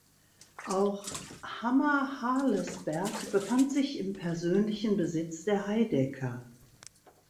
Auch Hammerharlesberg befand sich im persönlichen Besitz der Heidecker.